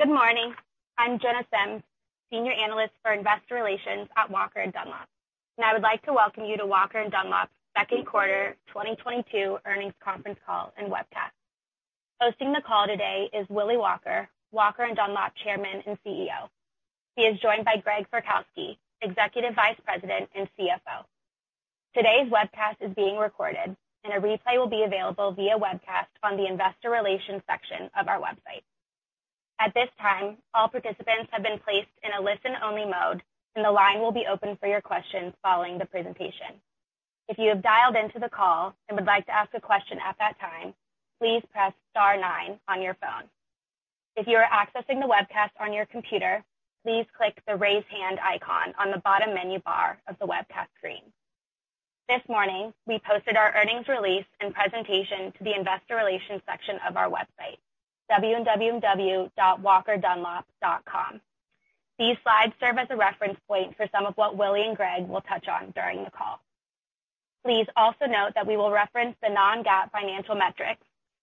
Good morning. I'm Jenna Simms, Senior Analyst for Investor Relations at Walker & Dunlop. I would like to welcome you to Walker & Dunlop second quarter 2022 earnings conference call and webcast. Hosting the call today is Willy Walker & Dunlop Chairman and CEO. He is joined by Greg Florkowski, Executive Vice President and CFO. Today's webcast is being recorded, and a replay will be available via webcast on the investor relations section of our website. At this time, all participants have been placed in a listen-only mode, and the line will be open for your questions following the presentation. If you have dialed into the call and would like to ask a question at that time, please press star nine on your phone. If you are accessing the webcast on your computer, please click the Raise Hand icon on the bottom menu bar of the webcast screen. This morning, we posted our earnings release and presentation to the investor relations section of our website, www.walkeranddunlop.com. These slides serve as a reference point for some of what Willy and Greg will touch on during the call. Please also note that we will reference the non-GAAP financial metrics,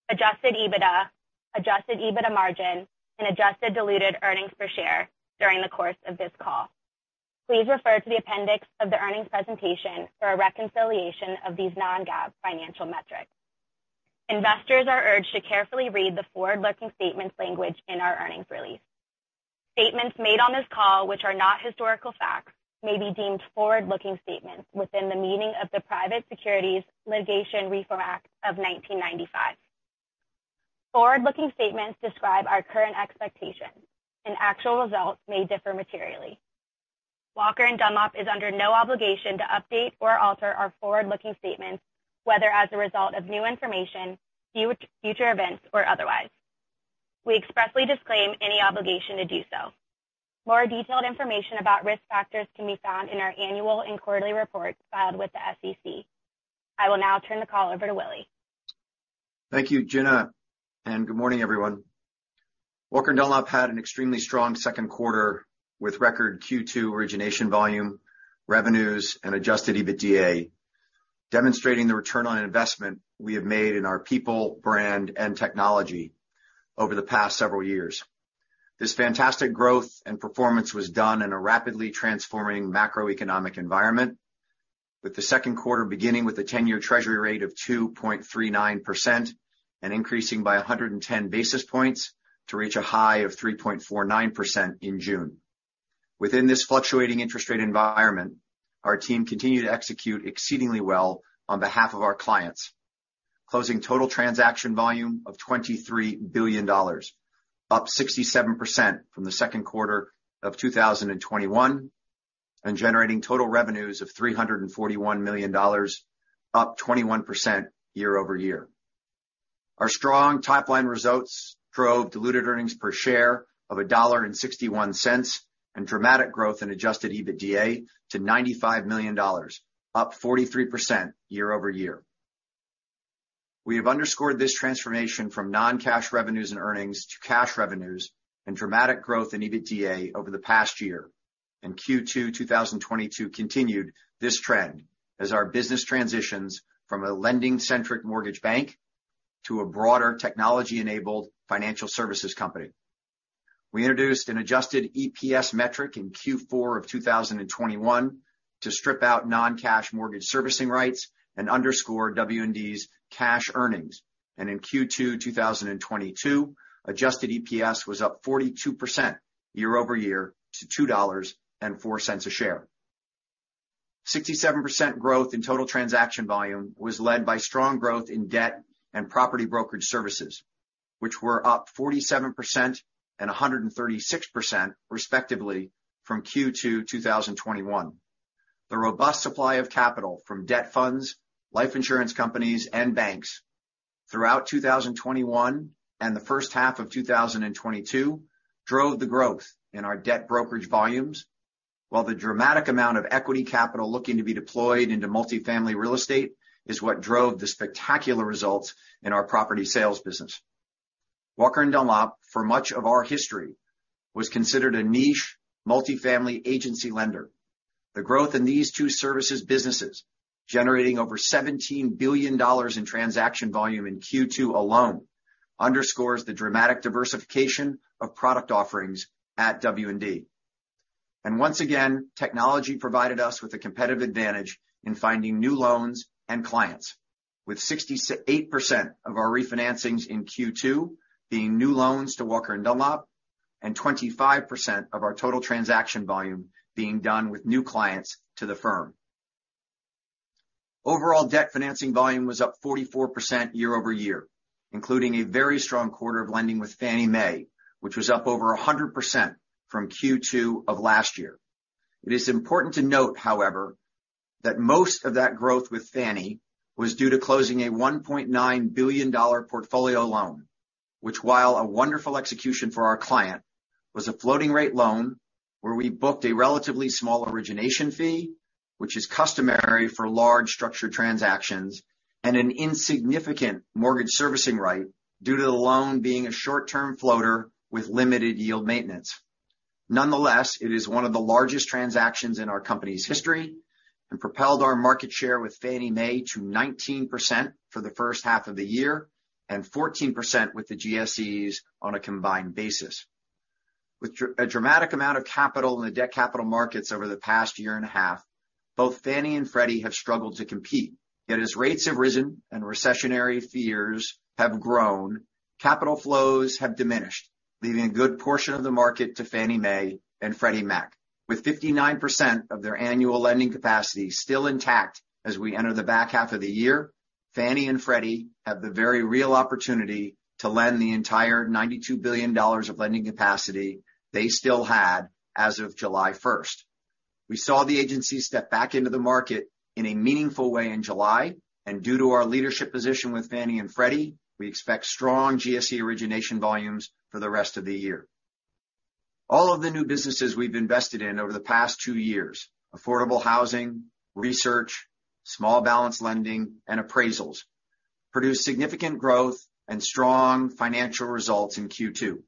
adjusted EBITDA, adjusted EBITDA margin, and adjusted diluted earnings per share during the course of this call. Please refer to the appendix of the earnings presentation for a reconciliation of these non-GAAP financial metrics. Investors are urged to carefully read the forward-looking statements language in our earnings release. Statements made on this call which are not historical facts may be deemed forward-looking statements within the meaning of the Private Securities Litigation Reform Act of 1995. Forward-looking statements describe our current expectations, and actual results may differ materially. Walker & Dunlop is under no obligation to update or alter our forward-looking statements, whether as a result of new information, future events, or otherwise. We expressly disclaim any obligation to do so. More detailed information about risk factors can be found in our annual and quarterly reports filed with the SEC. I will now turn the call over to Willy. Thank you, Jenna, and good morning, everyone. Walker & Dunlop had an extremely strong second quarter with record Q2 origination volume, revenues, and adjusted EBITDA, demonstrating the return on investment we have made in our people, brand, and technology over the past several years. This fantastic growth and performance was done in a rapidly transforming macroeconomic environment, with the second quarter beginning with a 10-year treasury rate of 2.39% and increasing by 110 basis points to reach a high of 3.49% in June. Within this fluctuating interest rate environment, our team continued to execute exceedingly well on behalf of our clients, closing total transaction volume of $23 billion, up 67% from the second quarter of 2021, and generating total revenues of $341 million, up 21% year-over-year. Our strong top-line results drove diluted earnings per share of $1.61 and dramatic growth in adjusted EBITDA to $95 million, up 43% year-over-year. We have underscored this transformation from non-cash revenues and earnings to cash revenues and dramatic growth in EBITDA over the past year, and Q2 2022 continued this trend as our business transitions from a lending-centric mortgage bank to a broader technology-enabled financial services company. We introduced an adjusted EPS metric in Q4 2021 to strip out non-cash mortgage servicing rights and underscore W&D's cash earnings. In Q2 2022, adjusted EPS was up 42% year-over-year to $2.04 a share, 67% growth in total transaction volume was led by strong growth in debt and property brokerage services, which were up 47% and 136%, respectively, from Q2 2021. The robust supply of capital from debt funds, life insurance companies, and banks throughout 2021 and the first half of 2022 drove the growth in our debt brokerage volumes, while the dramatic amount of equity capital looking to be deployed into multifamily real estate is what drove the spectacular results in our property sales business. Walker & Dunlop, for much of our history, was considered a niche multifamily agency lender. The growth in these two services businesses, generating over $17 billion in transaction volume in Q2 alone, underscores the dramatic diversification of product offerings at W&D. Once again, technology provided us with a competitive advantage in finding new loans and clients, with 68% of our refinancings in Q2 being new loans to Walker & Dunlop and 25% of our total transaction volume being done with new clients to the firm. Overall debt financing volume was up 44% year-over-year, including a very strong quarter of lending with Fannie Mae, which was up over 100% from Q2 of last year. It is important to note, however, that most of that growth with Fannie was due to closing a $1.9 billion portfolio loan, which while a wonderful execution for our client, was a floating-rate loan where we booked a relatively small origination fee, which is customary for large structured transactions and an insignificant mortgage servicing right due to the loan being a short-term floater with limited yield maintenance. Nonetheless, it is one of the largest transactions in our company's history and propelled our market share with Fannie Mae to 19% for the first half of the year and 14% with the GSEs on a combined basis. With a dramatic amount of capital in the debt capital markets over the past year and a half, both Fannie and Freddie have struggled to compete. Yet as rates have risen and recessionary fears have grown, capital flows have diminished, leaving a good portion of the market to Fannie Mae and Freddie Mac. With 59% of their annual lending capacity still intact as we enter the back half of the year, Fannie and Freddie have the very real opportunity to lend the entire $92 billion of lending capacity they still had as of July first. We saw the agency step back into the market in a meaningful way in July, and due to our leadership position with Fannie and Freddie, we expect strong GSE origination volumes for the rest of the year. All of the new businesses we've invested in over the past two years, affordable housing, research, small balance lending, and appraisals, produced significant growth and strong financial results in Q2.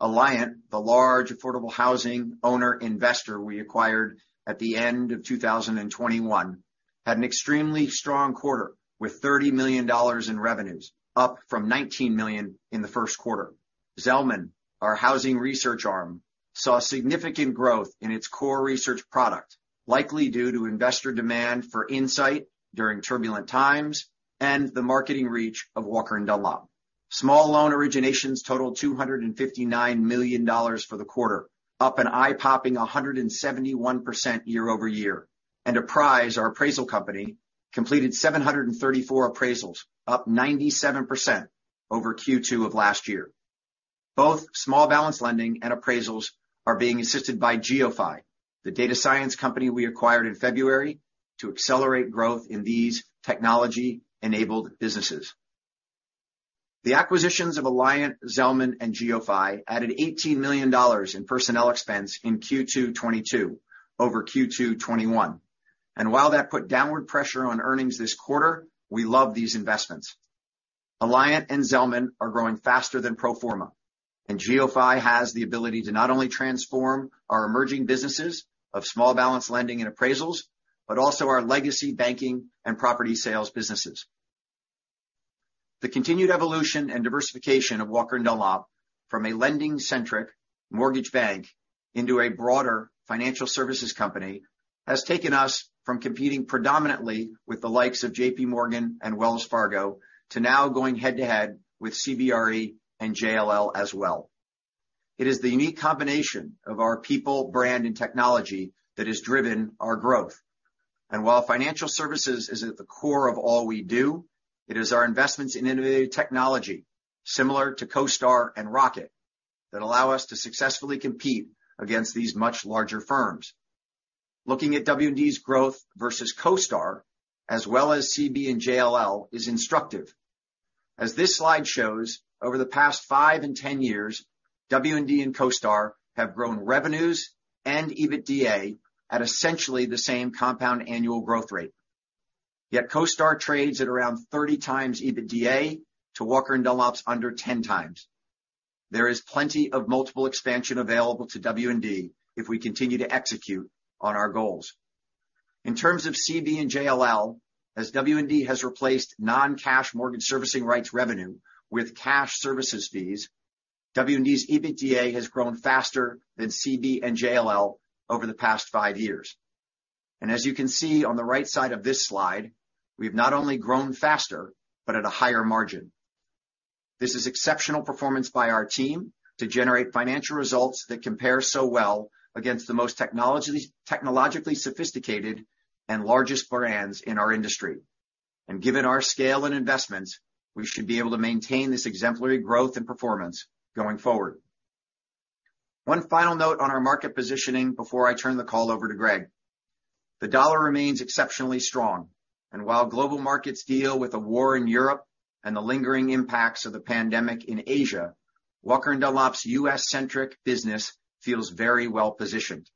Alliant Capital, the large affordable housing owner investor we acquired at the end of 2021, had an extremely strong quarter with $30 million in revenues, up from $19 million in the first quarter. Zelman & Associates, our housing research arm, saw significant growth in its core research product, likely due to investor demand for insight during turbulent times and the marketing reach of Walker & Dunlop. Small loan originations totaled $259 million for the quarter, up an eye-popping 171% year-over-year. Apprise, our appraisal company, completed 734 appraisals, up 97% over Q2 of last year. Both small balance lending and appraisals are being assisted by GeoPhy, the data science company we acquired in February to accelerate growth in these technology-enabled businesses. The acquisitions of Alliant, Zelman, and GeoPhy added $18 million in personnel expense in Q2 2022 over Q2 2021. While that put downward pressure on earnings this quarter, we love these investments. Alliant and Zelman are growing faster than pro forma, and GeoPhy has the ability to not only transform our emerging businesses of small balance lending and appraisals, but also our legacy banking and property sales businesses. The continued evolution and diversification of Walker & Dunlop from a lending-centric mortgage bank into a broader financial services company has taken us from competing predominantly with the likes of JPMorgan and Wells Fargo to now going head-to-head with CBRE and JLL as well. It is the unique combination of our people, brand, and technology that has driven our growth. While financial services is at the core of all we do, it is our investments in innovative technology similar to CoStar and Rocket that allow us to successfully compete against these much larger firms. Looking at W&D's growth versus CoStar as well as CBRE and JLL is instructive. As this slide shows, over the past five and 10 years, W&D and CoStar have grown revenues and EBITDA at essentially the same compound annual growth rate. Yet CoStar trades at around 30 times EBITDA to Walker & Dunlop's under 10 times. There is plenty of multiple expansion available to W&D if we continue to execute on our goals. In terms of CBRE and JLL, as W&D has replaced non-cash mortgage servicing rights revenue with cash services fees, W&D's EBITDA has grown faster than CBRE and JLL over the past five years. As you can see on the right side of this slide, we've not only grown faster, but at a higher margin. This is exceptional performance by our team to generate financial results that compare so well against the most technologically sophisticated and largest brands in our industry. Given our scale and investments, we should be able to maintain this exemplary growth and performance going forward. One final note on our market positioning before I turn the call over to Greg. The dollar remains exceptionally strong, and while global markets deal with a war in Europe and the lingering impacts of the pandemic in Asia, Walker & Dunlop's U.S. centric business feels very well-positioned.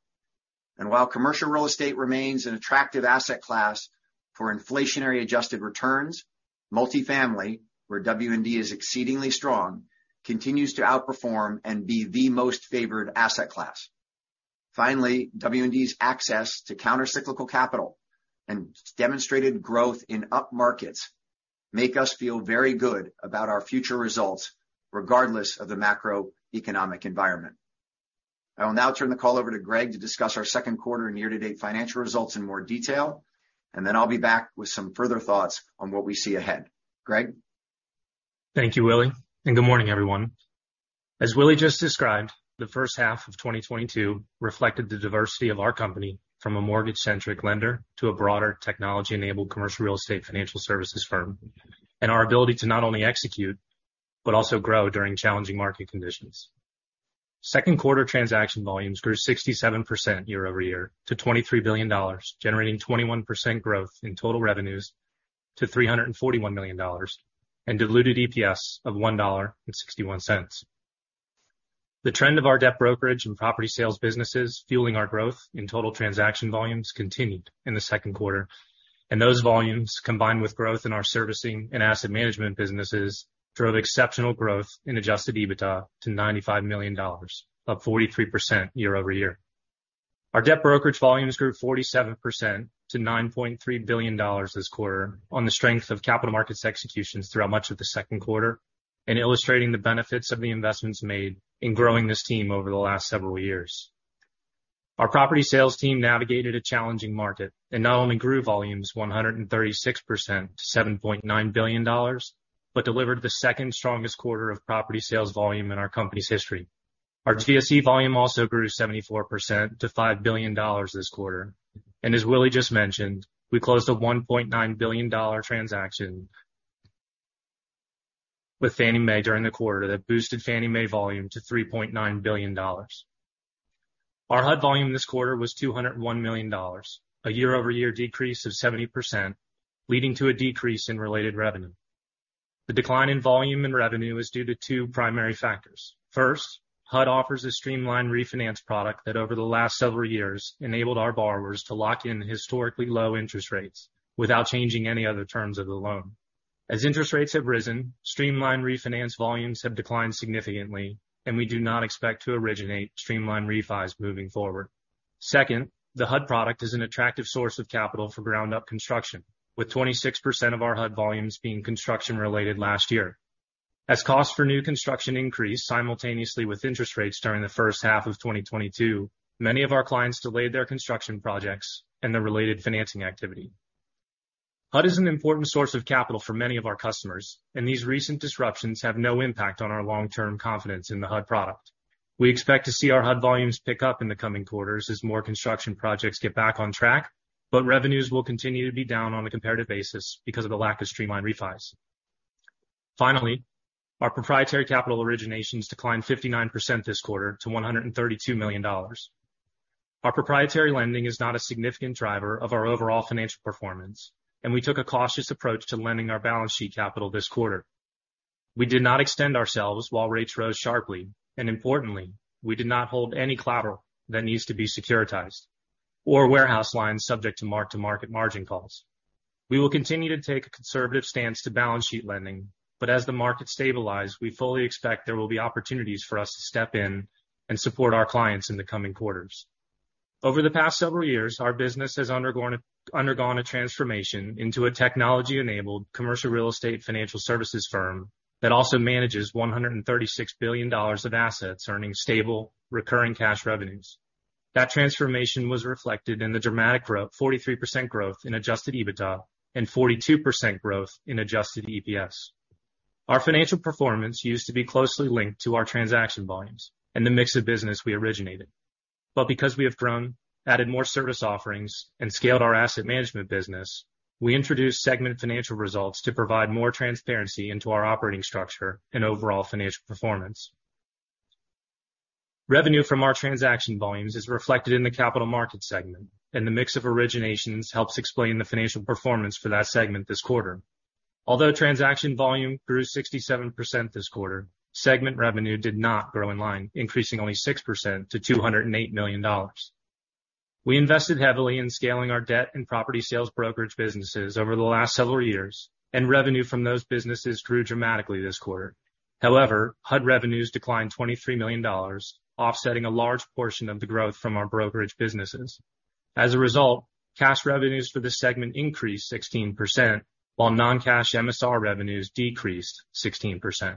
While commercial real estate remains an attractive asset class for inflation-adjusted returns, multifamily, where W&D is exceedingly strong, continues to outperform and be the most favored asset class. Finally, W&D's access to countercyclical capital and demonstrated growth in up markets make us feel very good about our future results regardless of the macroeconomic environment. I will now turn the call over to Greg to discuss our second quarter and year-to-date financial results in more detail, and then I'll be back with some further thoughts on what we see ahead. Greg? Thank you, Willy, and good morning, everyone. As Willy just described, the first half of 2022 reflected the diversity of our company from a mortgage-centric lender to a broader technology-enabled commercial real estate financial services firm, and our ability to not only execute, but also grow during challenging market conditions. Second quarter transaction volumes grew 67% year-over-year to $23 billion, generating 21% growth in total revenues to $341 million, and diluted EPS of $1.61. The trend of our debt brokerage and property sales businesses fueling our growth in total transaction volumes continued in the second quarter, and those volumes, combined with growth in our servicing and asset management businesses, drove exceptional growth in adjusted EBITDA to $95 million, up 43% year-over-year. Our debt brokerage volumes grew 47% to $9.3 billion this quarter on the strength of capital markets executions throughout much of the second quarter, and illustrating the benefits of the investments made in growing this team over the last several years. Our property sales team navigated a challenging market and not only grew volumes 136% to $7.9 billion, but delivered the second strongest quarter of property sales volume in our company's history. Our GSE volume also grew 74% to $5 billion this quarter. As Willy just mentioned, we closed a $1.9 billion transaction with Fannie Mae during the quarter that boosted Fannie Mae volume to $3.9 billion. Our HUD volume this quarter was $201 million, a year-over-year decrease of 70%, leading to a decrease in related revenue. The decline in volume and revenue is due to two primary factors. First, HUD offers a streamlined refinance product that over the last several years, enabled our borrowers to lock in historically low interest rates without changing any other terms of the loan. As interest rates have risen, streamlined refinance volumes have declined significantly, and we do not expect to originate streamlined refis moving forward. Second, the HUD product is an attractive source of capital for ground up construction, with 26% of our HUD volumes being construction-related last year. As costs for new construction increased simultaneously with interest rates during the first half of 2022, many of our clients delayed their construction projects and the related financing activity. HUD is an important source of capital for many of our customers, and these recent disruptions have no impact on our long-term confidence in the HUD product. We expect to see our HUD volumes pick up in the coming quarters as more construction projects get back on track, but revenues will continue to be down on a comparative basis because of the lack of streamlined refis. Finally, our proprietary capital originations declined 59% this quarter to $132 million. Our proprietary lending is not a significant driver of our overall financial performance, and we took a cautious approach to lending our balance sheet capital this quarter. We did not extend ourselves while rates rose sharply, and importantly, we did not hold any collateral that needs to be securitized or warehouse lines subject to mark-to-market margin calls. We will continue to take a conservative stance to balance sheet lending, but as the market stabilize, we fully expect there will be opportunities for us to step in and support our clients in the coming quarters. Over the past several years, our business has undergone a transformation into a technology-enabled commercial real estate financial services firm that also manages $136 billion of assets earning stable recurring cash revenues. That transformation was reflected in the dramatic growth, 43% growth in adjusted EBITDA and 42% growth in adjusted EPS. Our financial performance used to be closely linked to our transaction volumes and the mix of business we originated. Because we have grown, added more service offerings and scaled our asset management business, we introduced segment financial results to provide more transparency into our operating structure and overall financial performance. Revenue from our transaction volumes is reflected in the capital market segment, and the mix of originations helps explain the financial performance for that segment this quarter. Although transaction volume grew 67% this quarter, segment revenue did not grow in line, increasing only 6% to $208 million. We invested heavily in scaling our debt and property sales brokerage businesses over the last several years, and revenue from those businesses grew dramatically this quarter. However, HUD revenues declined $23 million, offsetting a large portion of the growth from our brokerage businesses. As a result, cash revenues for the segment increased 16%, while non-cash MSR revenues decreased 16%.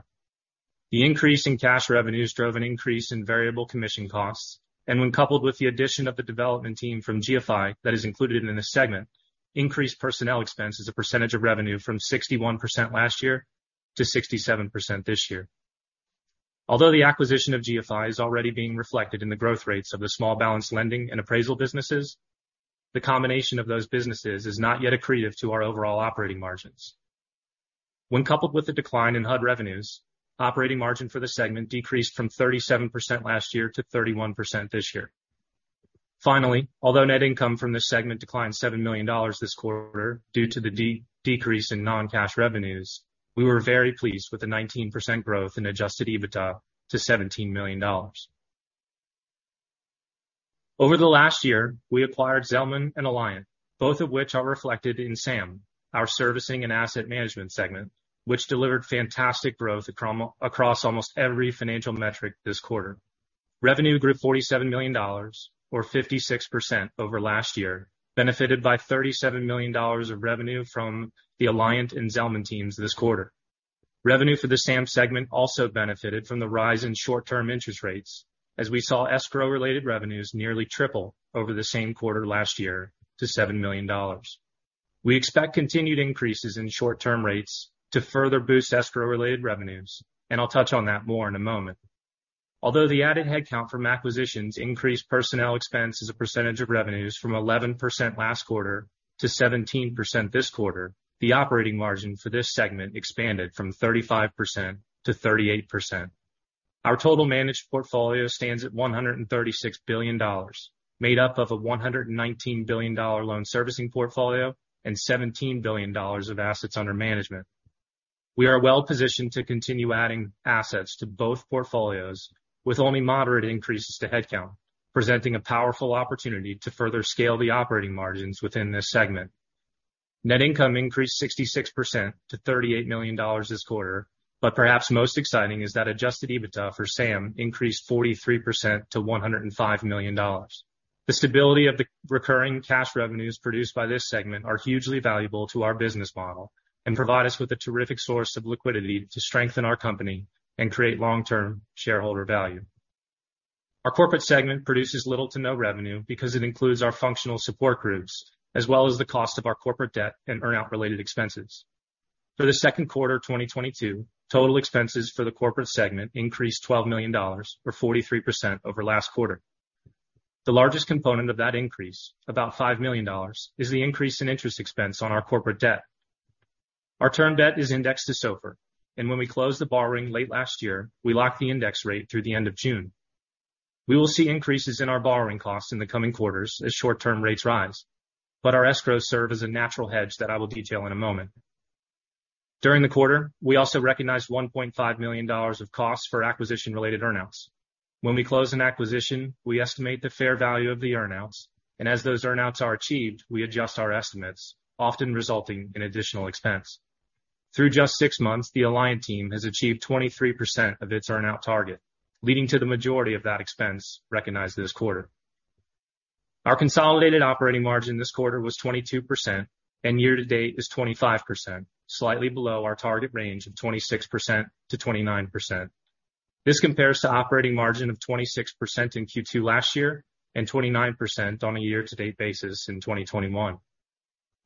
The increase in cash revenues drove an increase in variable commission costs, and when coupled with the addition of the development team from GFI that is included in this segment, increased personnel expense as a percentage of revenue from 61% last year to 67% this year. Although the acquisition of GFI is already being reflected in the growth rates of the small balance lending and appraisal businesses, the combination of those businesses is not yet accretive to our overall operating margins. When coupled with the decline in HUD revenues, operating margin for the segment decreased from 37% last year to 31% this year. Finally, although net income from the segment declined $7 million this quarter due to the decrease in non-cash revenues, we were very pleased with the 19% growth in adjusted EBITDA to $17 million. Over the last year, we acquired Zelman and Alliant, both of which are reflected in SAM, our servicing and asset management segment, which delivered fantastic growth across almost every financial metric this quarter. Revenue grew $47 million or 56% over last year, benefited by $37 million of revenue from the Alliant and Zelman teams this quarter. Revenue for the SAM segment also benefited from the rise in short-term interest rates as we saw escrow-related revenues nearly triple over the same quarter last year to $7 million. We expect continued increases in short-term rates to further boost escrow-related revenues, and I'll touch on that more in a moment. Although the added headcount from acquisitions increased personnel expense as a percentage of revenues from 11% last quarter to 17% this quarter, the operating margin for this segment expanded from 35% to 38%. Our total managed portfolio stands at $136 billion, made up of a $119 billion loan servicing portfolio and $17 billion of assets under management. We are well-positioned to continue adding assets to both portfolios with only moderate increases to headcount, presenting a powerful opportunity to further scale the operating margins within this segment. Net income increased 66% to $38 million this quarter. Perhaps most exciting is that adjusted EBITDA for SAM increased 43% to $105 million. The stability of the recurring cash revenues produced by this segment are hugely valuable to our business model and provide us with a terrific source of liquidity to strengthen our company and create long-term shareholder value. Our corporate segment produces little to no revenue because it includes our functional support groups, as well as the cost of our corporate debt and earn out related expenses. For the second quarter of 2022, total expenses for the corporate segment increased $12 million or 43% over last quarter. The largest component of that increase, about $5 million, is the increase in interest expense on our corporate debt. Our term debt is indexed to SOFR, and when we closed the borrowing late last year, we locked the index rate through the end of June. We will see increases in our borrowing costs in the coming quarters as short-term rates rise, but our escrows serve as a natural hedge that I will detail in a moment. During the quarter, we also recognized $1.5 million of costs for acquisition-related earn outs. When we close an acquisition, we estimate the fair value of the earn outs, and as those earn outs are achieved, we adjust our estimates, often resulting in additional expense. Through just 6 months, the Alliant team has achieved 23% of its earn out target, leading to the majority of that expense recognized this quarter. Our consolidated operating margin this quarter was 22%, and year to date is 25%, slightly below our target range of 26%-29%. This compares to operating margin of 26% in Q2 last year and 29% on a year to date basis in 2021.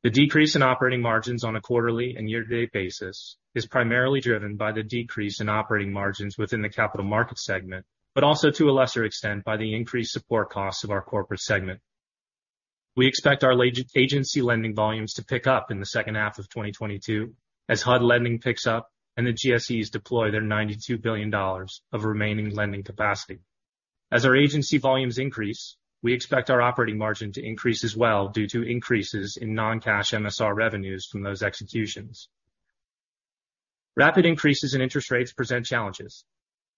The decrease in operating margins on a quarterly and year to date basis is primarily driven by the decrease in operating margins within the capital market segment, but also to a lesser extent by the increased support costs of our corporate segment. We expect our large-agency lending volumes to pick up in the second half of 2022 as HUD lending picks up and the GSEs deploy their $92 billion of remaining lending capacity. As our agency volumes increase, we expect our operating margin to increase as well due to increases in non-cash MSR revenues from those executions. Rapid increases in interest rates present challenges.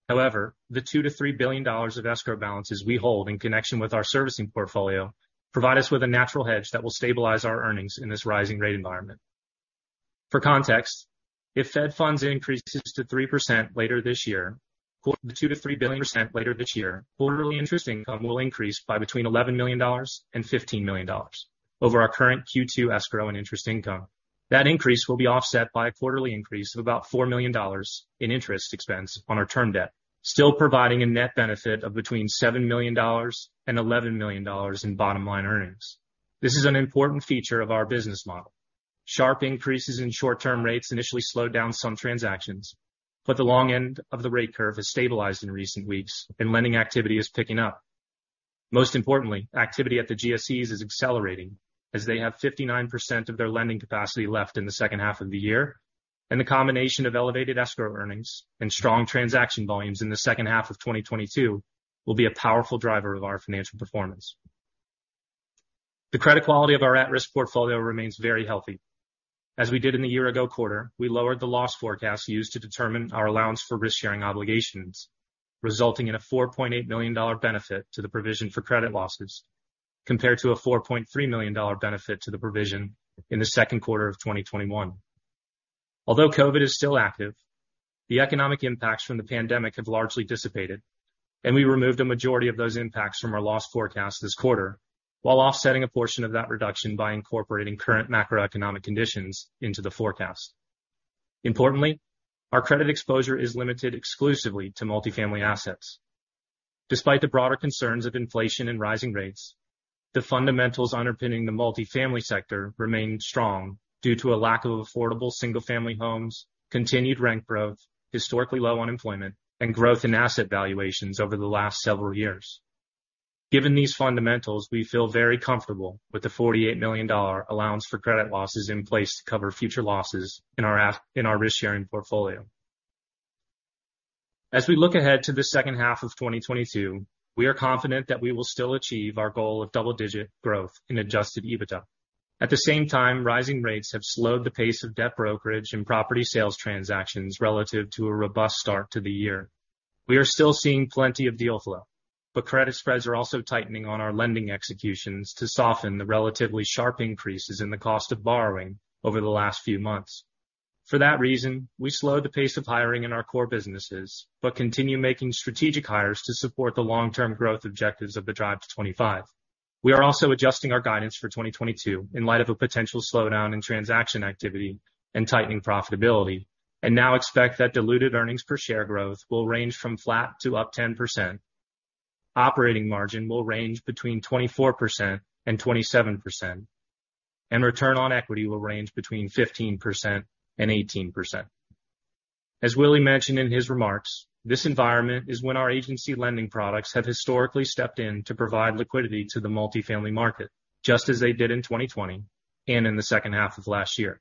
However, the $2-$3 billion of escrow balances we hold in connection with our servicing portfolio provide us with a natural hedge that will stabilize our earnings in this rising rate environment. For context, if Fed funds increases to 3% later this year, the $2-$3 billion, quarterly interest income will increase by between $11 million and $15 million over our current Q2 escrow and interest income. That increase will be offset by a quarterly increase of about $4 million in interest expense on our term debt, still providing a net benefit of between $7 million and $11 million in bottom line earnings. This is an important feature of our business model. Sharp increases in short-term rates initially slowed down some transactions, but the long end of the rate curve has stabilized in recent weeks and lending activity is picking up. Most importantly, activity at the GSEs is accelerating as they have 59% of their lending capacity left in the second half of the year, and the combination of elevated escrow earnings and strong transaction volumes in the second half of 2022 will be a powerful driver of our financial performance. The credit quality of our at-risk portfolio remains very healthy. As we did in the year ago quarter, we lowered the loss forecast used to determine our allowance for risk-sharing obligations, resulting in a $4.8 million benefit to the provision for credit losses, compared to a $4.3 million benefit to the provision in the second quarter of 2021. Although COVID is still active, the economic impacts from the pandemic have largely dissipated, and we removed a majority of those impacts from our loss forecast this quarter while offsetting a portion of that reduction by incorporating current macroeconomic conditions into the forecast. Importantly, our credit exposure is limited exclusively to multifamily assets. Despite the broader concerns of inflation and rising rates, the fundamentals underpinning the multifamily sector remained strong due to a lack of affordable single-family homes, continued rent growth, historically low unemployment, and growth in asset valuations over the last several years. Given these fundamentals, we feel very comfortable with the $48 million allowance for credit losses in place to cover future losses in our in our risk-sharing portfolio. As we look ahead to the second half of 2022, we are confident that we will still achieve our goal of double-digit growth in adjusted EBITDA. At the same time, rising rates have slowed the pace of debt brokerage and property sales transactions relative to a robust start to the year. We are still seeing plenty of deal flow, but credit spreads are also tightening on our lending executions to soften the relatively sharp increases in the cost of borrowing over the last few months. For that reason, we slowed the pace of hiring in our core businesses, but continue making strategic hires to support the long-term growth objectives of the Drive to 25. We are also adjusting our guidance for 2022 in light of a potential slowdown in transaction activity and tightening profitability, and now expect that diluted earnings per share growth will range from flat to up 10%. Operating margin will range between 24% and 27%, and return on equity will range between 15% and 18%. As Willy mentioned in his remarks, this environment is when our agency lending products have historically stepped in to provide liquidity to the multifamily market, just as they did in 2020 and in the second half of last year.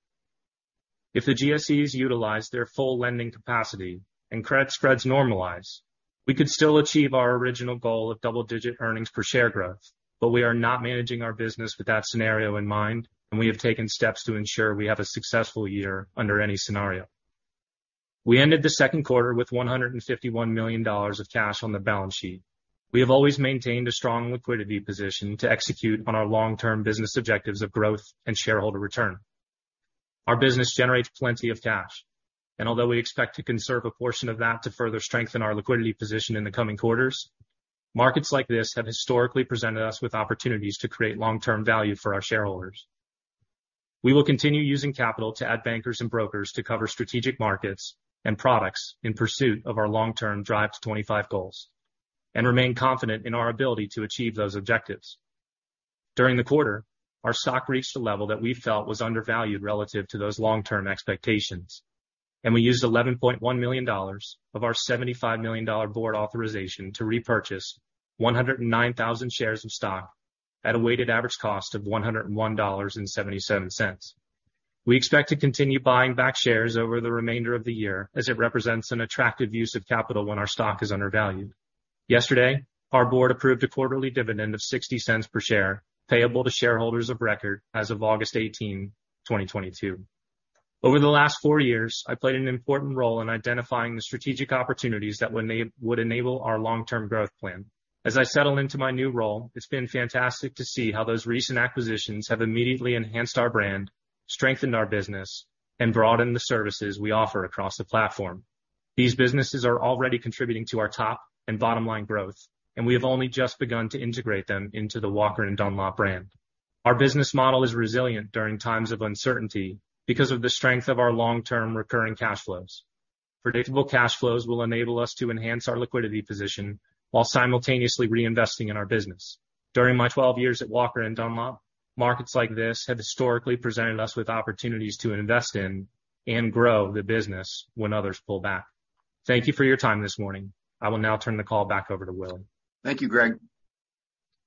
If the GSEs utilize their full lending capacity and credit spreads normalize, we could still achieve our original goal of double-digit earnings per share growth, but we are not managing our business with that scenario in mind, and we have taken steps to ensure we have a successful year under any scenario. We ended the second quarter with $151 million of cash on the balance sheet. We have always maintained a strong liquidity position to execute on our long-term business objectives of growth and shareholder return. Our business generates plenty of cash, and although we expect to conserve a portion of that to further strengthen our liquidity position in the coming quarters, markets like this have historically presented us with opportunities to create long-term value for our shareholders. We will continue using capital to add bankers and brokers to cover strategic markets and products in pursuit of our long-term Drive to '25 goals, and remain confident in our ability to achieve those objectives. During the quarter, our stock reached a level that we felt was undervalued relative to those long-term expectations, and we used $11.1 million of our $75 million board authorization to repurchase 109,000 shares of stock at a weighted average cost of $101.77. We expect to continue buying back shares over the remainder of the year as it represents an attractive use of capital when our stock is undervalued. Yesterday, our board approved a quarterly dividend of $0.60 per share, payable to shareholders of record as of August 18, 2022. Over the last 4 years, I played an important role in identifying the strategic opportunities that would enable our long-term growth plan. As I settle into my new role, it's been fantastic to see how those recent acquisitions have immediately enhanced our brand, strengthened our business, and broadened the services we offer across the platform. These businesses are already contributing to our top and bottom line growth, and we have only just begun to integrate them into the Walker & Dunlop brand. Our business model is resilient during times of uncertainty because of the strength of our long-term recurring cash flows. Predictable cash flows will enable us to enhance our liquidity position while simultaneously reinvesting in our business. During my 12 years at Walker & Dunlop, markets like this have historically presented us with opportunities to invest in and grow the business when others pull back. Thank you for your time this morning. I will now turn the call back over to Willy. Thank you, Greg.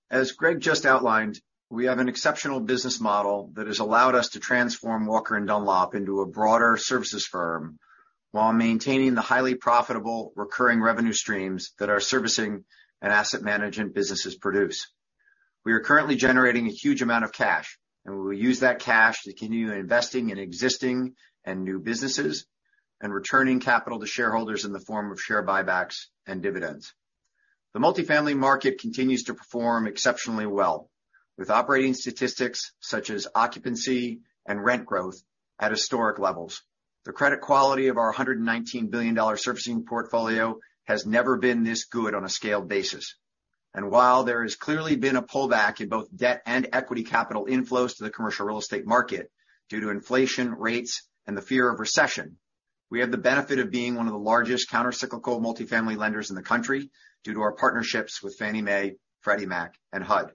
As Greg just outlined, we have an exceptional business model that has allowed us to transform Walker & Dunlop into a broader services firm while maintaining the highly profitable recurring revenue streams that our servicing and asset management businesses produce. We are currently generating a huge amount of cash, and we will use that cash to continue investing in existing and new businesses and returning capital to shareholders in the form of share buybacks and dividends. The multifamily market continues to perform exceptionally well, with operating statistics such as occupancy and rent growth at historic levels. The credit quality of our $119 billion servicing portfolio has never been this good on a scaled basis. While there has clearly been a pullback in both debt and equity capital inflows to the commercial real estate market due to inflation rates and the fear of recession, we have the benefit of being one of the largest counter-cyclical multifamily lenders in the country due to our partnerships with Fannie Mae, Freddie Mac and HUD.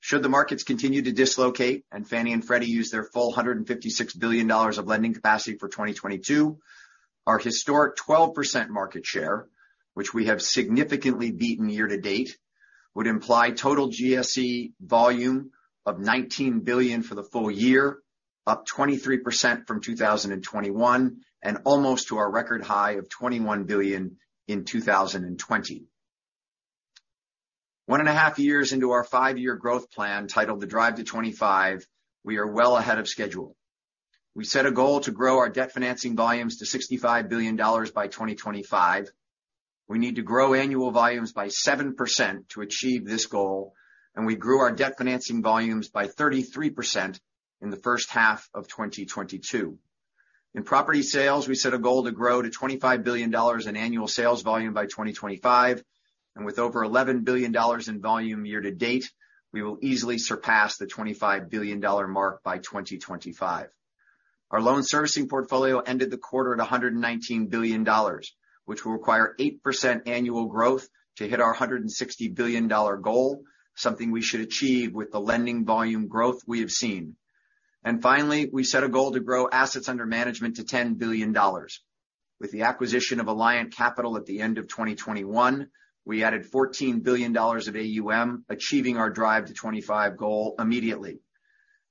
Should the markets continue to dislocate and Fannie and Freddie use their full $156 billion of lending capacity for 2022, our historic 12% market share, which we have significantly beaten year to date, would imply total GSE volume of $19 billion for the full year, up 23% from 2021, and almost to our record high of $21 billion in 2020, 1.5 years into our 5-year growth plan, titled Drive to '25, we are well ahead of schedule. We set a goal to grow our debt financing volumes to $65 billion by 2025. We need to grow annual volumes by 7% to achieve this goal, and we grew our debt financing volumes by 33% in the first half of 2022. In property sales, we set a goal to grow to $25 billion in annual sales volume by 2025, and with over $11 billion in volume year to date, we will easily surpass the $25 billion mark by 2025. Our loan servicing portfolio ended the quarter at $119 billion, which will require 8% annual growth to hit our $160 billion goal, something we should achieve with the lending volume growth we have seen. Finally, we set a goal to grow assets under management to $10 billion. With the acquisition of Alliant Capital at the end of 2021, we added $14 billion of AUM, achieving our Drive to '25 goal immediately.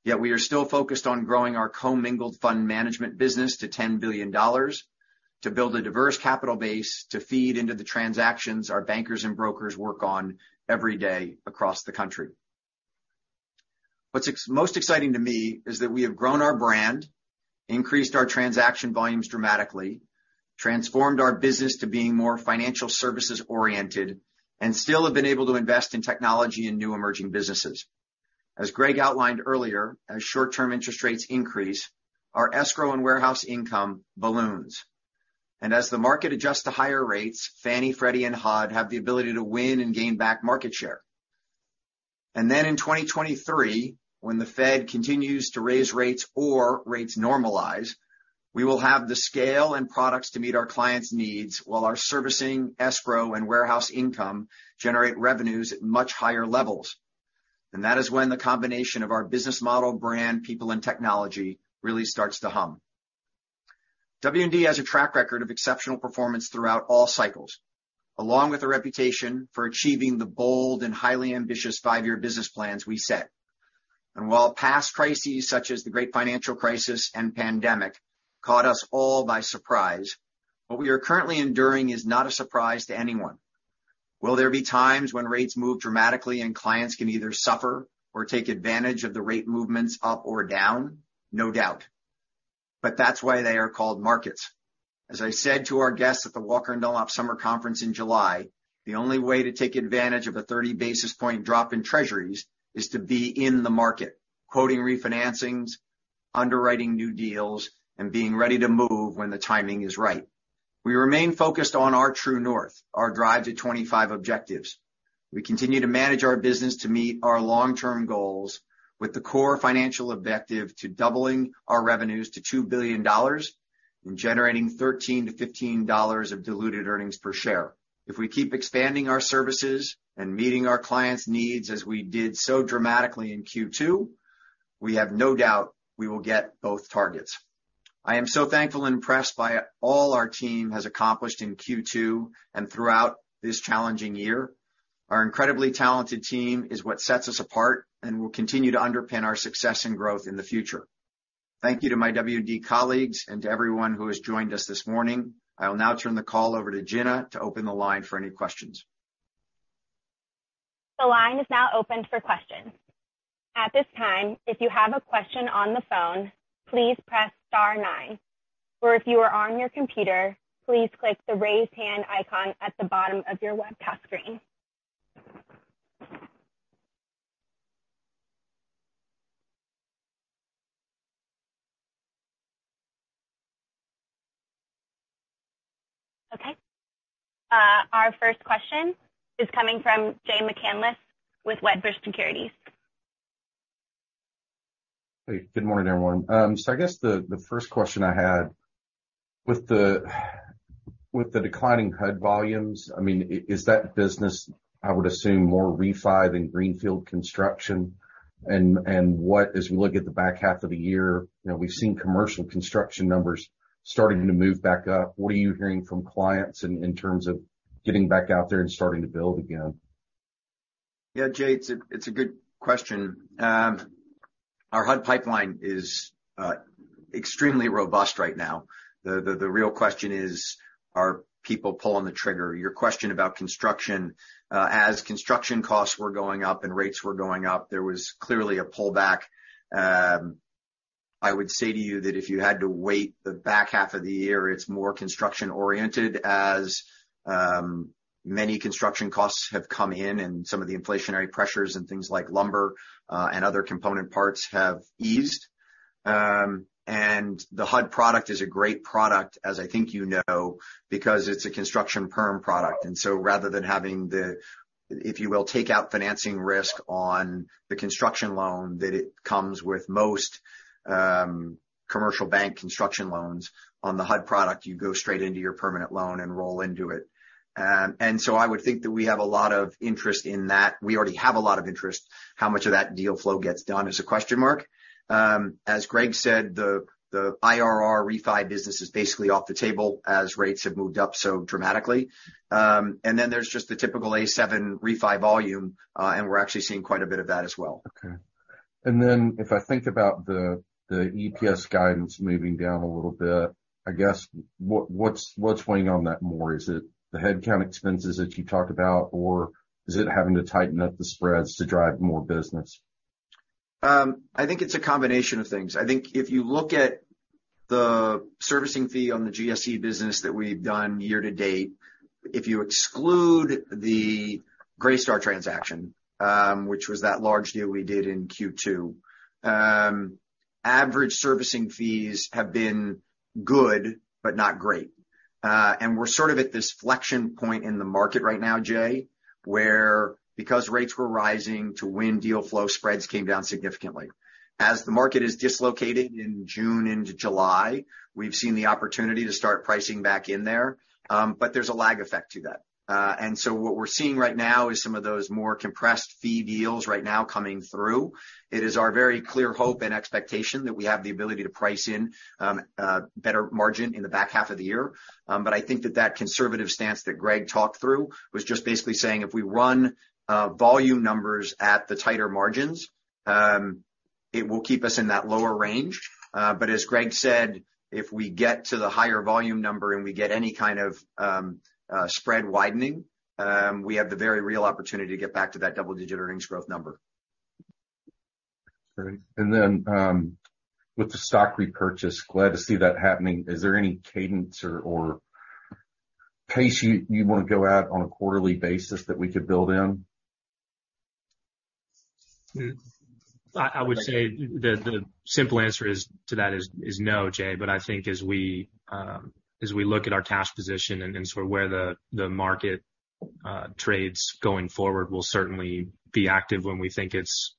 Yet we are still focused on growing our commingled fund management business to $10 billion to build a diverse capital base to feed into the transactions our bankers and brokers work on every day across the country. The most exciting to me is that we have grown our brand, increased our transaction volumes dramatically, transformed our business to being more financial services-oriented, and still have been able to invest in technology and new emerging businesses. As Greg outlined earlier, as short-term interest rates increase, our escrow and warehouse income balloons. As the market adjusts to higher rates, Fannie, Freddie, and HUD have the ability to win and gain back market share. In 2023, when the Fed continues to raise rates or rates normalize, we will have the scale and products to meet our clients' needs while our servicing, escrow, and warehouse income generate revenues at much higher levels. That is when the combination of our business model, brand, people, and technology really starts to hum. W&D has a track record of exceptional performance throughout all cycles, along with a reputation for achieving the bold and highly ambitious five-year business plans we set. While past crises, such as the Great Financial Crisis and pandemic, caught us all by surprise, what we are currently enduring is not a surprise to anyone. Will there be times when rates move dramatically and clients can either suffer or take advantage of the rate movements up or down? No doubt, but that's why they are called markets. As I said to our guests at the Walker & Dunlop summer conference in July, the only way to take advantage of a 30 basis point drop in Treasuries is to be in the market. Quoting refinancings, underwriting new deals, and being ready to move when the timing is right. We remain focused on our true north, our Drive to 25 objectives. We continue to manage our business to meet our long-term goals with the core financial objective to doubling our revenues to $2 billion and generating $13-$15 of diluted earnings per share. If we keep expanding our services and meeting our clients' needs as we did so dramatically in Q2, we have no doubt we will get both targets. I am so thankful and impressed by all our team has accomplished in Q2 and throughout this challenging year. Our incredibly talented team is what sets us apart and will continue to underpin our success and growth in the future. Thank you to my W&D colleagues and to everyone who has joined us this morning. I will now turn the call over to Jenna to open the line for any questions. The line is now open for questions. At this time, if you have a question on the phone, please press star nine, or if you are on your computer, please click the Raise Hand icon at the bottom of your web task screen. Okay, our first question is coming from Jay McCanless with Wedbush Securities. Hey, good morning, everyone. I guess the first question I had with the declining HUD volumes, I mean, is that business, I would assume, more refi than greenfield construction? What, as we look at the back half of the year, you know, we've seen commercial construction numbers starting to move back up. What are you hearing from clients in terms of getting back out there and starting to build again? Yeah, Jay, it's a good question. Our HUD pipeline is extremely robust right now. The real question is, are people pulling the trigger? Your question about construction, as construction costs were going up and rates were going up, there was clearly a pullback. I would say to you that if you had to weight the back half of the year, it's more construction-oriented as many construction costs have come in and some of the inflationary pressures and things like lumber and other component parts have eased. The HUD product is a great product, as I think you know, because it's a construction perm product. Rather than having the, if you will, take out financing risk on the construction loan that it comes with most, commercial bank construction loans, on the HUD product, you go straight into your permanent loan and roll into it. I would think that we have a lot of interest in that. We already have a lot of interest. How much of that deal flow gets done is a question mark. As Greg said, the IRR refi business is basically off the table as rates have moved up so dramatically. There's just the typical A7 refi volume, and we're actually seeing quite a bit of that as well. Okay. If I think about the EPS guidance moving down a little bit, I guess what's weighing on that more? Is it the headcount expenses that you talked about, or is it having to tighten up the spreads to drive more business? I think it's a combination of things. I think if you look at the servicing fee on the GSE business that we've done year to date, if you exclude the Greystar transaction, which was that large deal we did in Q2, average servicing fees have been good but not great. We're sort of at this inflection point in the market right now, Jay, where because rates were rising to win deal flow, spreads came down significantly. As the market is dislocated in June into July, we've seen the opportunity to start pricing back in there, but there's a lag effect to that. What we're seeing right now is some of those more compressed fee deals right now coming through. It is our very clear hope and expectation that we have the ability to price in a better margin in the back half of the year. I think that conservative stance that Greg talked through was just basically saying if we run volume numbers at the tighter margins, it will keep us in that lower range. As Greg said, if we get to the higher volume number and we get any kind of spread widening, we have the very real opportunity to get back to that double-digit earnings growth number. Great. With the stock repurchase, glad to see that happening. Is there any cadence or pace you wanna go out on a quarterly basis that we could build in? I would say the simple answer is no, Jay. I think as we look at our cash position and sort of where the market trades going forward, we'll certainly be active when we think it's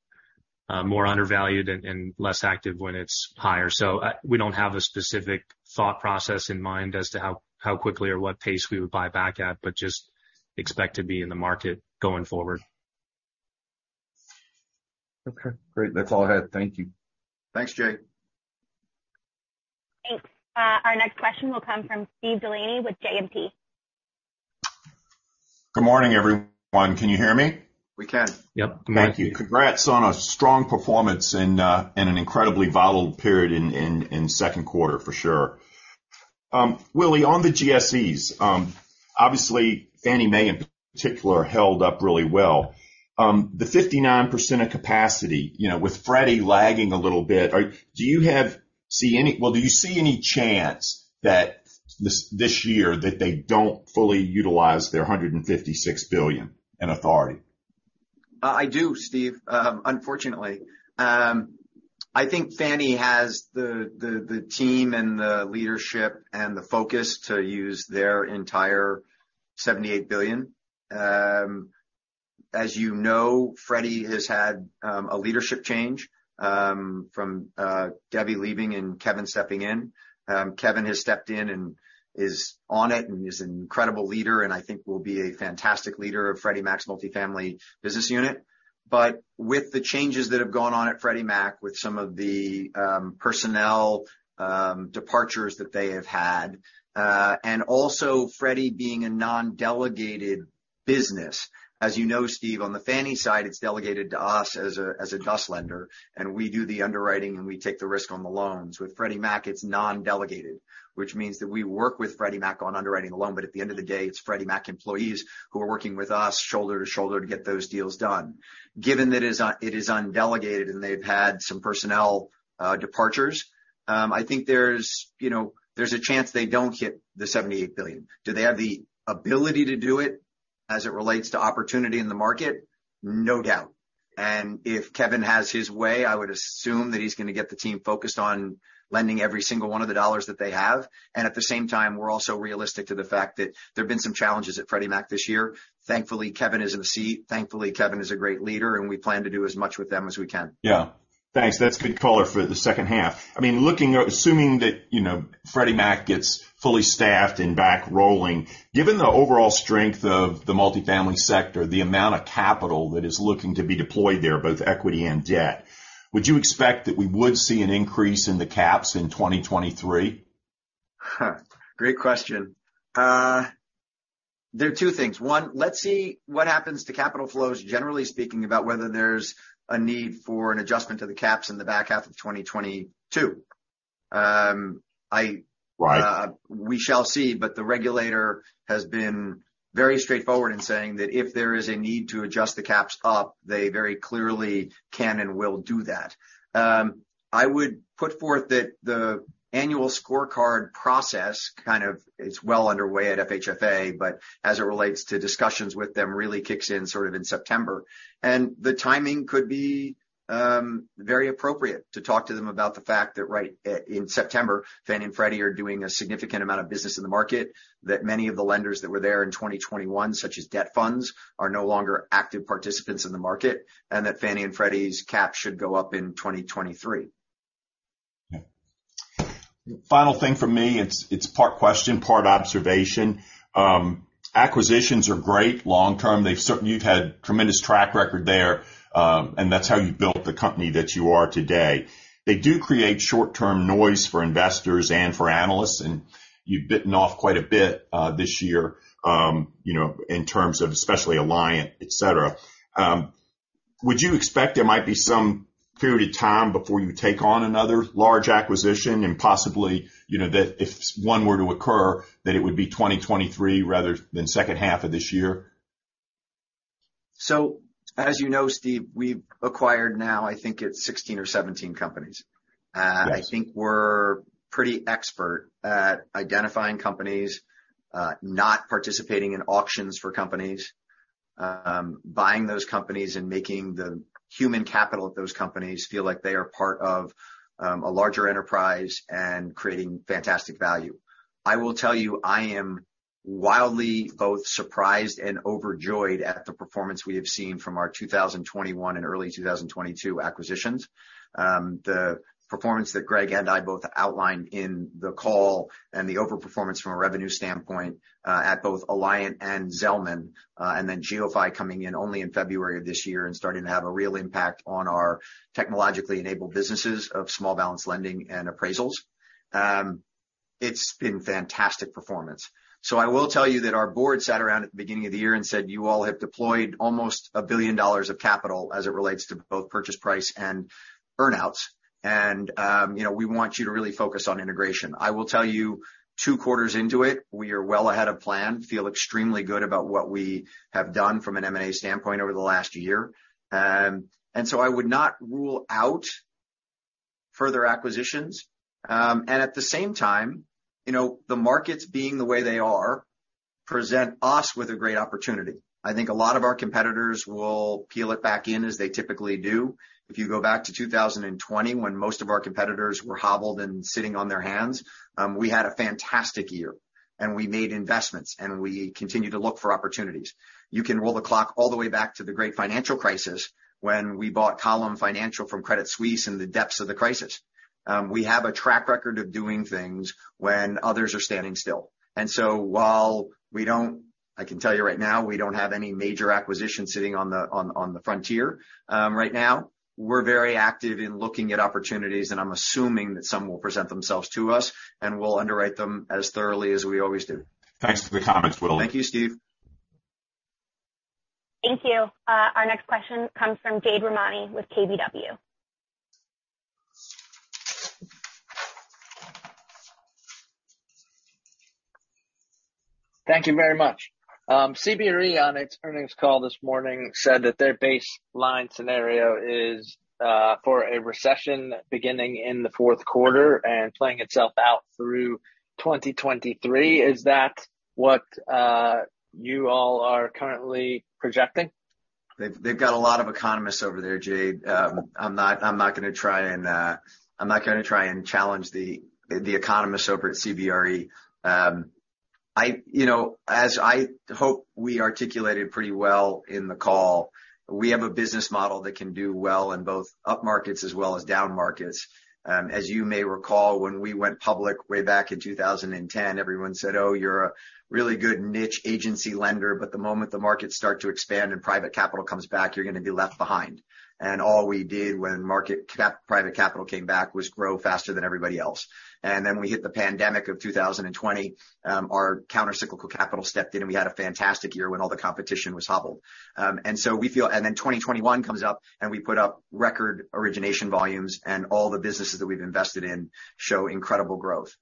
more undervalued and less active when it's higher. We don't have a specific thought process in mind as to how quickly or what pace we would buy back at, but just expect to be in the market going forward. Okay, great. That's all I had. Thank you. Thanks, Jay. Thanks. Our next question will come from Steve Delaney with JMP. Good morning, everyone. Can you hear me? We can. Yep. Thank you. Congrats on a strong performance in an incredibly volatile period in second quarter for sure. Willy, on the GSEs, obviously Fannie Mae in particular held up really well. The 59% of capacity, you know, with Freddie lagging a little bit, do you see any chance that this year they don't fully utilize their $156 billion in authority? I do, Steve, unfortunately. I think Fannie has the team and the leadership and the focus to use their entire $78 billion. As you know, Freddie has had a leadership change from Debbie leaving and Kevin stepping in. Kevin has stepped in and is on it and is an incredible leader, and I think will be a fantastic leader of Freddie Mac's multifamily business unit. With the changes that have gone on at Freddie Mac with some of the personnel departures that they have had, and also Freddie being a non-delegated business. As you know, Steve, on the Fannie side, it's delegated to us as a DUS lender, and we do the underwriting, and we take the risk on the loans. With Freddie Mac, it's non-delegated, which means that we work with Freddie Mac on underwriting the loan. At the end of the day, it's Freddie Mac employees who are working with us shoulder to shoulder to get those deals done. Given that it is non-delegated and they've had some personnel departures, I think there's, you know, there's a chance they don't hit the $78 billion. Do they have the ability to do it as it relates to opportunity in the market? No doubt. If Kevin has his way, I would assume that he's gonna get the team focused on lending every single one of the dollars that they have. At the same time, we're also realistic to the fact that there have been some challenges at Freddie Mac this year. Thankfully, Kevin is in the seat. Thankfully, Kevin is a great leader, and we plan to do as much with them as we can. Yeah. Thanks. That's good color for the second half. I mean, assuming that, you know, Freddie Mac gets fully staffed and back rolling, given the overall strength of the multifamily sector, the amount of capital that is looking to be deployed there, both equity and debt, would you expect that we would see an increase in the caps in 2023? Great question. There are two things. One, let's see what happens to capital flows, generally speaking, about whether there's a need for an adjustment to the caps in the back half of 2022. Right. We shall see, but the regulator has been very straightforward in saying that if there is a need to adjust the caps up, they very clearly can and will do that. I would put forth that the annual scorecard process kind of is well underway at FHFA, but as it relates to discussions with them, really kicks in sort of in September. The timing could be very appropriate to talk to them about the fact that right in September, Fannie and Freddie are doing a significant amount of business in the market, that many of the lenders that were there in 2021, such as debt funds, are no longer active participants in the market, and that Fannie and Freddie's caps should go up in 2023. Yeah. Final thing from me, it's part question, part observation. Acquisitions are great long term. You've had tremendous track record there, and that's how you've built the company that you are today. They do create short-term noise for investors and for analysts, and you've bitten off quite a bit, this year, you know, in terms of especially Alliant, et cetera. Would you expect there might be some period of time before you take on another large acquisition and possibly, you know, that if one were to occur, that it would be 2023 rather than second half of this year? As you know, Steve, we've acquired now I think it's 16 or 17 companies. Right. I think we're pretty expert at identifying companies, not participating in auctions for companies, buying those companies and making the human capital of those companies feel like they are part of a larger enterprise and creating fantastic value. I will tell you, I am wildly both surprised and overjoyed at the performance we have seen from our 2021 and early 2022 acquisitions. The performance that Greg and I both outlined in the call and the overperformance from a revenue standpoint, at both Alliant and Zelman, and then GeoPhy coming in only in February of this year and starting to have a real impact on our technologically enabled businesses of small balance lending and appraisals. It's been fantastic performance. I will tell you that our board sat around at the beginning of the year and said, "You all have deployed almost $1 billion of capital as it relates to both purchase price and earn-outs. You know, we want you to really focus on integration." I will tell you, two quarters into it, we are well ahead of plan. Feel extremely good about what we have done from an M&A standpoint over the last year. I would not rule out further acquisitions. At the same time, you know, the markets being the way they are present us with a great opportunity. I think a lot of our competitors will pull it back in as they typically do. If you go back to 2020 when most of our competitors were hobbled and sitting on their hands, we had a fantastic year, and we made investments, and we continue to look for opportunities. You can roll the clock all the way back to the great financial crisis when we bought Column Financial from Credit Suisse in the depths of the crisis. We have a track record of doing things when others are standing still. While we don't, I can tell you right now, we don't have any major acquisitions sitting on the frontier right now. We're very active in looking at opportunities, and I'm assuming that some will present themselves to us, and we'll underwrite them as thoroughly as we always do. Thanks for the comments, Willy. Thank you, Steve. Thank you. Our next question comes from Jade Rahmani with KBW. Thank you very much. CBRE on its earnings call this morning said that their baseline scenario is for a recession beginning in the fourth quarter and playing itself out through 2023. Is that what you all are currently projecting? They've got a lot of economists over there, Jade. I'm not gonna try and challenge the economists over at CBRE. I, you know, as I hope we articulated pretty well in the call, we have a business model that can do well in both up markets as well as down markets. As you may recall, when we went public way back in 2010, everyone said, "Oh, you're a really good niche agency lender, but the moment the markets start to expand and private capital comes back, you're gonna be left behind." All we did when private capital came back was grow faster than everybody else. We hit the pandemic of 2020, our counter-cyclical capital stepped in, and we had a fantastic year when all the competition was hobbled. 2021 comes up, and we put up record origination volumes, and all the businesses that we've invested in show incredible growth.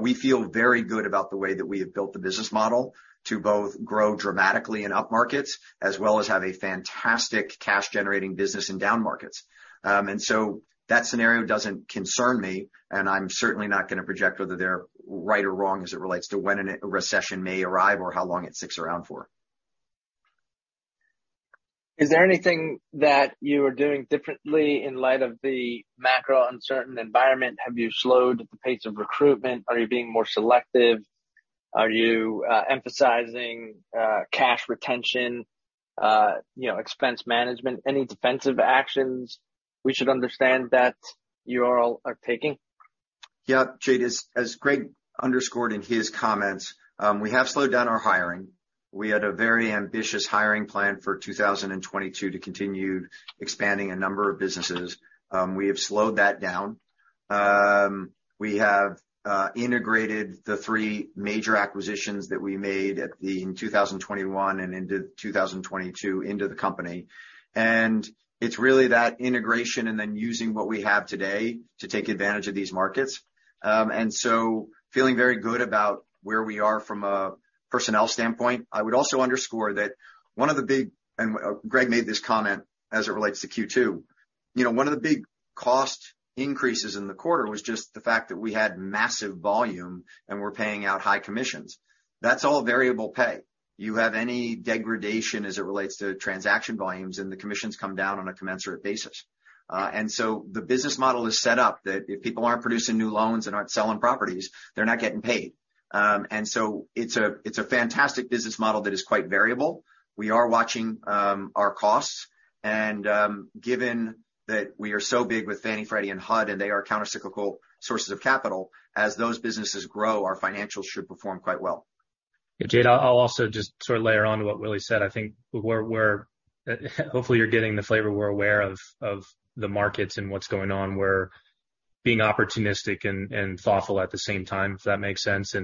We feel very good about the way that we have built the business model to both grow dramatically in up markets, as well as have a fantastic cash generating business in down markets. That scenario doesn't concern me, and I'm certainly not gonna project whether they're right or wrong as it relates to when a recession may arrive or how long it sticks around for. Is there anything that you are doing differently in light of the macro uncertain environment? Have you slowed the pace of recruitment? Are you being more selective? Are you emphasizing cash retention, you know, expense management? Any defensive actions we should understand that you all are taking? Yeah. Jade, as Greg underscored in his comments, we have slowed down our hiring. We had a very ambitious hiring plan for 2022 to continue expanding a number of businesses. We have slowed that down. We have integrated the three major acquisitions that we made in 2021 and into 2022 into the company. It's really that integration and then using what we have today to take advantage of these markets. Feeling very good about where we are from a personnel standpoint. I would also underscore that. Greg made this comment as it relates to Q2. You know, one of the big cost increases in the quarter was just the fact that we had massive volume and were paying out high commissions. That's all variable pay. You have any degradation as it relates to transaction volumes, and the commissions come down on a commensurate basis. The business model is set up that if people aren't producing new loans and aren't selling properties, they're not getting paid. It's a fantastic business model that is quite variable. We are watching our costs. Given that we are so big with Fannie, Freddie, and HUD, and they are counter-cyclical sources of capital, as those businesses grow, our financials should perform quite well. Yeah, Jade, I'll also just sort of layer on to what Willy said. I think we're hopefully you're getting the flavor we're aware of the markets and what's going on. We're being opportunistic and thoughtful at the same time, if that makes sense.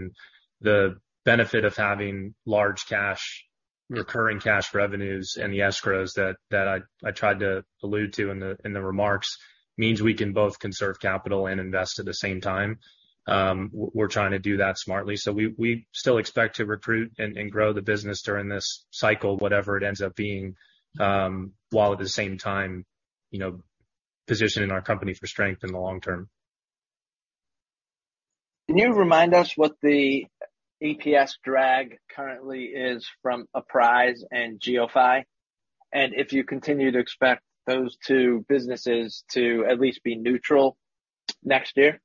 The benefit of having large cash, recurring cash revenues and the escrows that I tried to allude to in the remarks means we can both conserve capital and invest at the same time. We're trying to do that smartly. We still expect to recruit and grow the business during this cycle, whatever it ends up being, while at the same time, you know, positioning our company for strength in the long term. Can you remind us what the EPS drag currently is from Apprise and GeoPhy? If you continue to expect those two businesses to at least be neutral next year?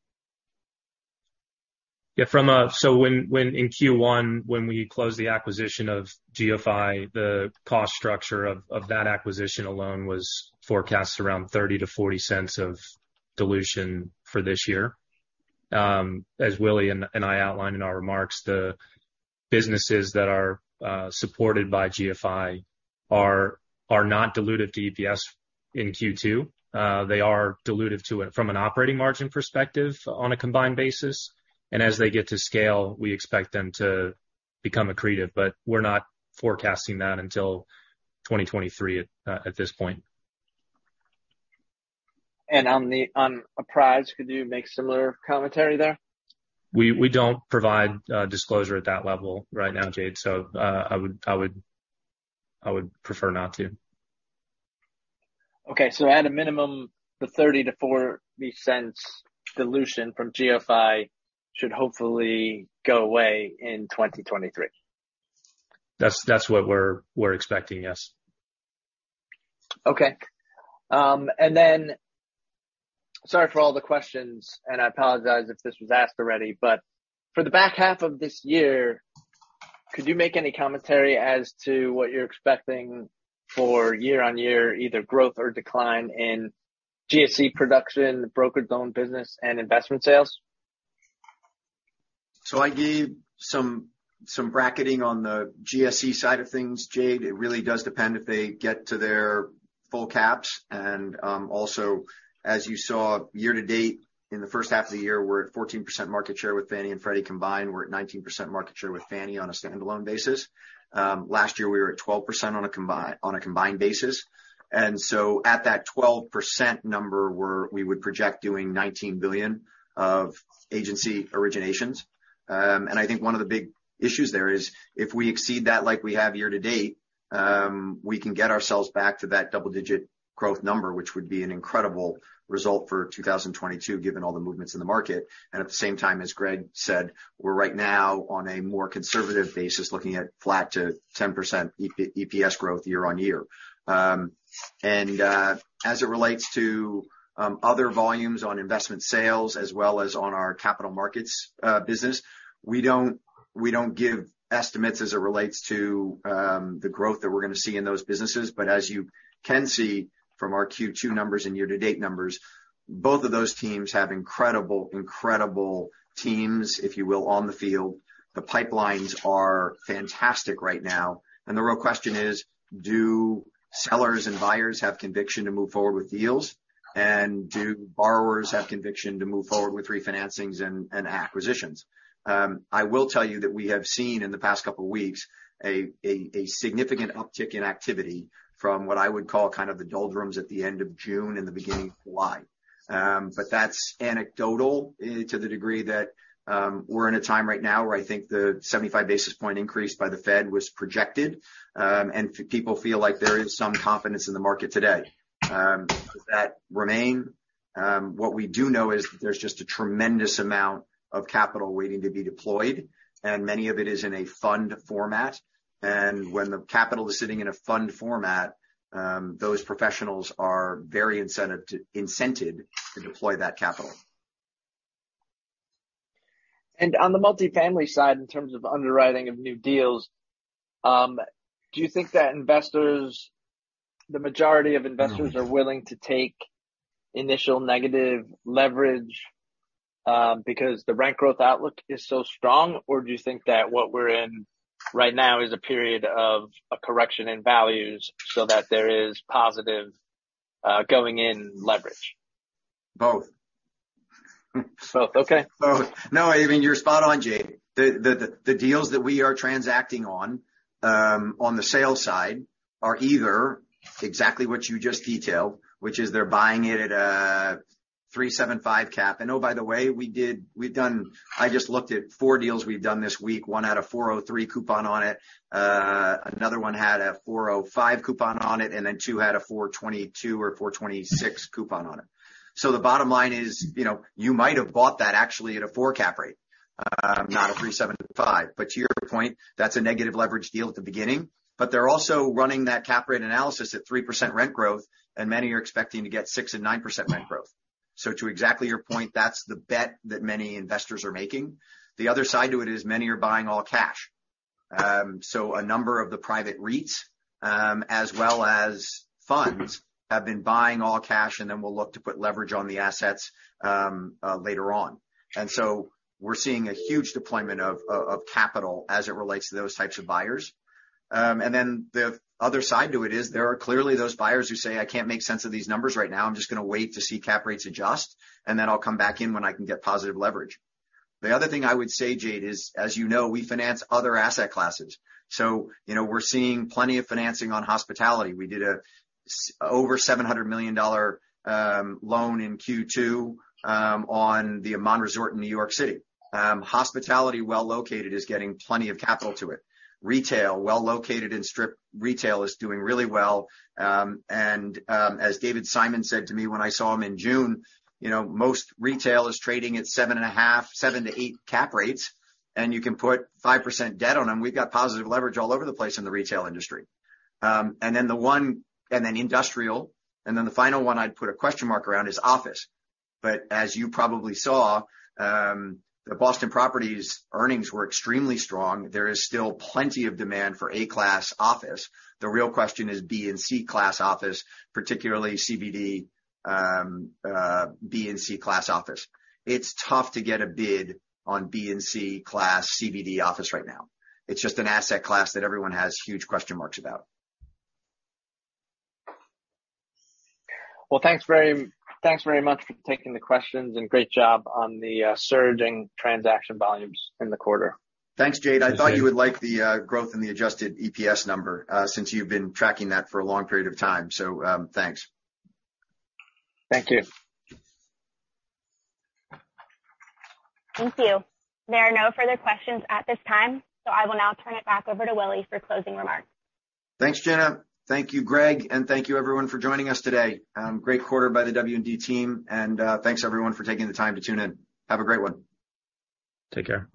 When in Q1 we closed the acquisition of GeoPhy, the cost structure of that acquisition alone was forecast around $0.30-$0.40 of dilution for this year. As Willy and I outlined in our remarks, the businesses that are supported by GeoPhy are not dilutive to EPS in Q2. They are dilutive to it from an operating margin perspective on a combined basis. As they get to scale, we expect them to become accretive, but we're not forecasting that until 2023 at this point. On Apprise, could you make similar commentary there? We don't provide disclosure at that level right now, Jade. I would prefer not to. At a minimum, the $0.30-$0.40 dilution from GeoPhy should hopefully go away in 2023. That's what we're expecting. Yes. Okay. Sorry for all the questions, and I apologize if this was asked already. For the back half of this year, could you make any commentary as to what you're expecting for year on year, either growth or decline in GSE production, brokered loan business, and investment sales? I gave some bracketing on the GSE side of things, Jade. It really does depend if they get to their full caps. Also, as you saw year to date, in the first half of the year, we're at 14% market share with Fannie and Freddie combined. We're at 19% market share with Fannie on a standalone basis. Last year, we were at 12% on a combined basis. At that 12% number, we would project doing $19 billion of agency originations. I think one of the big issues there is if we exceed that like we have year to date, we can get ourselves back to that double-digit growth number, which would be an incredible result for 2022, given all the movements in the market. At the same time, as Greg said, we're right now on a more conservative basis, looking at flat to 10% EPS growth year-over-year. As it relates to other volumes on investment sales as well as on our capital markets business, we don't give estimates as it relates to the growth that we're gonna see in those businesses. But as you can see from our Q2 numbers and year to date numbers, both of those teams have incredible teams, if you will, on the field. The pipelines are fantastic right now. The real question is, do sellers and buyers have conviction to move forward with deals? Do borrowers have conviction to move forward with refinancings and acquisitions? I will tell you that we have seen in the past couple of weeks a significant uptick in activity from what I would call kind of the doldrums at the end of June and the beginning of July. That's anecdotal to the degree that we're in a time right now where I think the 75 basis point increase by the Fed was projected. People feel like there is some confidence in the market today. Does that remain? What we do know is there's just a tremendous amount of capital waiting to be deployed, and many of it is in a fund format. When the capital is sitting in a fund format, those professionals are very incented to deploy that capital. On the multifamily side, in terms of underwriting of new deals, do you think that investors, the majority of investors are willing to take initial negative leverage, because the rent growth outlook is so strong? Or do you think that what we're in right now is a period of a correction in values so that there is positive, going in leverage? Both. Both. Okay. Both. No, I mean, you're spot on, Jade. The deals that we are transacting on the sales side are either exactly what you just detailed, which is they're buying it at a 3.75% cap. Oh, by the way we've done. I just looked at four deals we've done this week. One had a 4.03% coupon on it. Another one had a 4.05% coupon on it, and then two had a 4.22% or 4.26% coupon on it. The bottom line is, you know, you might have bought that actually at a 4% cap rate, not a 3.75%. To your point, that's a negative leverage deal at the beginning. They're also running that cap rate analysis at 3% rent growth, and many are expecting to get 6% and 9% rent growth. To exactly your point, that's the bet that many investors are making. The other side to it is many are buying all cash. A number of the private REITs, as well as funds have been buying all cash and then will look to put leverage on the assets, later on. We're seeing a huge deployment of capital as it relates to those types of buyers. The other side to it is there are clearly those buyers who say, "I can't make sense of these numbers right now. I'm just gonna wait to see cap rates adjust, and then I'll come back in when I can get positive leverage." The other thing I would say, Jade, is, as you know, we finance other asset classes. You know, we're seeing plenty of financing on hospitality. We did over $700 million loan in Q2 on the Aman New York in New York City. Hospitality well located is getting plenty of capital to it. Retail, well located and strip retail is doing really well. As David Simon said to me when I saw him in June, you know, most retail is trading at 7.5, 7-8 cap rates, and you can put 5% debt on them. We've got positive leverage all over the place in the retail industry. The one and then industrial. The final one I'd put a question mark around is office. As you probably saw, the Boston Properties earnings were extremely strong. There is still plenty of demand for Class A office. The real question is Class B and Class C office, particularly CBD, Class B and Class C office. It's tough to get a bid on Class B and Class C CBD office right now. It's just an asset class that everyone has huge question marks about. Well, thanks very much for taking the questions, and great job on the surging transaction volumes in the quarter. Thanks, Jade. I thought you would like the growth in the adjusted EPS number since you've been tracking that for a long period of time. Thanks. Thank you. Thank you. There are no further questions at this time, so I will now turn it back over to Willy for closing remarks. Thanks, Jenna. Thank you, Greg. Thank you everyone for joining us today. Great quarter by the W&D team, and thanks everyone for taking the time to tune in. Have a great one. Take care.